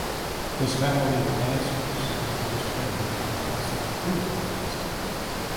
His family were dancers and he was trained in classic hula dancing.